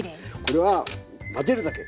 これは混ぜるだけ。